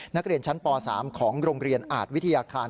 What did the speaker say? นักเรียนชั้นป๓ของโรงเรียนอาจวิทยาคาร